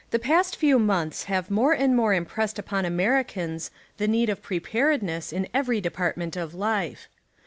])ast few months have more and more impressed upon Americans the need of ])reparedness in every department of life.